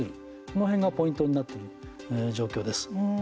この辺がポイントになってる状況です。